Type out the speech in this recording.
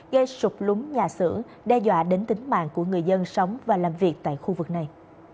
gây sụp lúng nhà xưởng đe dọa đến tính mạng của người dân sống và làm việc tại khu vực này